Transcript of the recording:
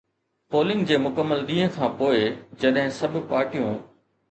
polling جي مڪمل ڏينهن کان پوء، جڏهن سڀ پارٽيون